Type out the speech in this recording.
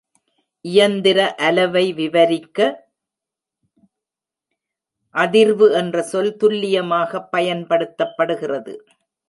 இயந்திர அலவை விவரிக்க "அதிர்வு" என்ற சொல் துல்லியமாக பயன்படுத்தப்படுகிறது.